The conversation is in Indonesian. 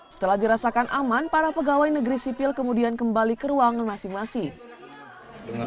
setelah dirasakan aman para pegawai negeri sipil kemudian kembali ke ruang masing masing